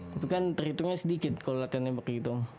itu kan terhitungnya sedikit kalau latihan nembak gitu